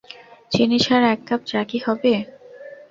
চিনি ছাড়া এক কাপ চা কি হবে?